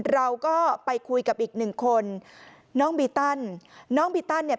เราก็ไปคุยกับอีกหนึ่งคนน้องบีตันน้องบีตันเนี่ย